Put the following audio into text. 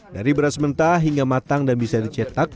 dari beras mentah hingga matang dan bisa dicetak